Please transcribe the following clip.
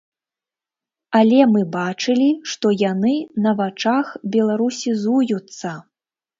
Але мы бачылі, што яны на вачах беларусізуюцца.